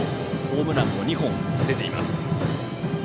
ホームランも２本出ています。